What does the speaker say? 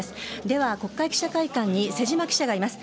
では国会記者会館に瀬島記者がいます。